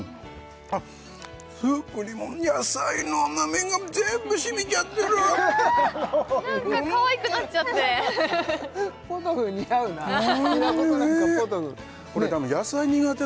あっスープにも野菜の甘みが全部しみちゃってるなんかかわいくなっちゃってポトフ似合うな平子さんなんかポトフこれたぶん野菜苦手